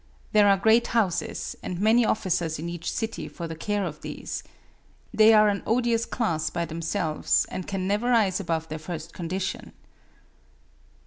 There are great houses and many officers in each city for the care of these. They are an odious class by themselves, and can never rise above their first condition."